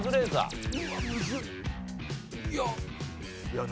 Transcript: いや。